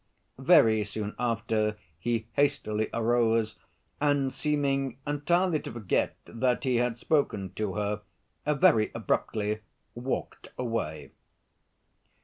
Very soon after, he hastily arose, and seeming entirely to forget that he had spoken to her, very abruptly walked away.